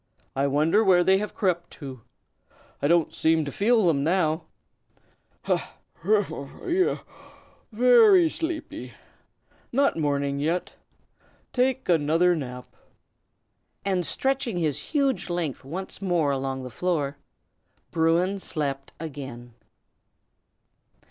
I wonder where they have crept to! I don't seem to feel them now. Ha! humph! Yaow! very sleepy! Not morning yet; take another nap." And stretching his huge length once more along the floor, Bruin slept again.